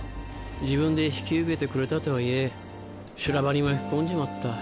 自分で引き受けてくれたとはいえ修羅場に巻き込んじまった。